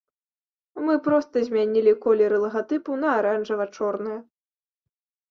Мы проста змянілі колеры лагатыпу на аранжава-чорныя.